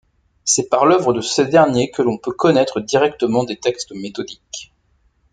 C'est par l'œuvre de ce dernier que l'on peut connaitre directement des textes méthodiques.